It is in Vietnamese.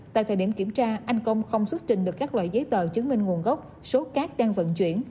tại thời điểm kiểm tra anh công không xuất trình được các loại giấy tờ chứng minh nguồn gốc số cát đang vận chuyển